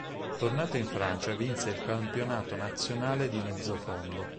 Tornato in Francia vinse il campionato nazionale di mezzofondo.